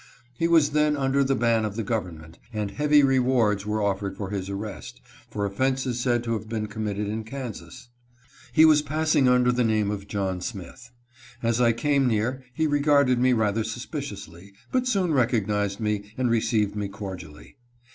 He was then under the ban of the government, and heavy rewards were of fered for his arrest, for offenses said to have been com mitted in Kansas. He was passing under the name of John Smith. As I came near, he regarded me rather suspiciously, but soon recognized me, and received me cordially.